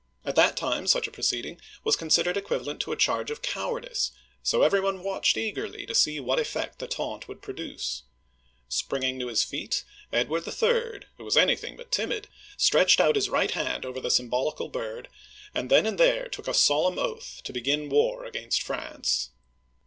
At that time, such a proceeding was considered equivalent to a charge of cowardice, so every one watched eagerly to see what effect the taunt would produce. Spring ing to his feet, Edward III. — who was anything but timid — stretched out his right hand over the symbolical bird, and then and there took a solemn oath to begin war against France.